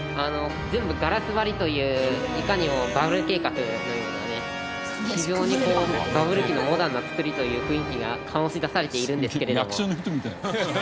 全部ガラス張りといういかにもバブル計画のようなね非常にこうバブル期のモダンな造りという雰囲気が醸し出されているんですけれども。